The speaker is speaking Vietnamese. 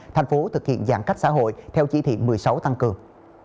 thành phố thực hiện giãn cách xã hội theo chỉ thị một mươi sáu tăng cường